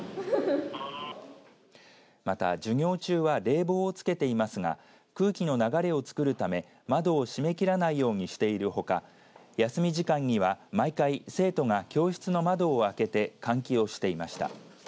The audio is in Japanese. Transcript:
また授業中は冷房をつけていますが空気の流れをつくるため窓を閉め切らないようにしているほか休み時間には、毎回生徒が教室の窓を開けて換気をしていました。